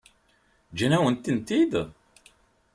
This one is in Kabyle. Ǧǧan-awen-tent-id?